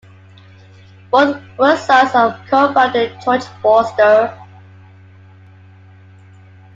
Both were sons of co-founder George Forster.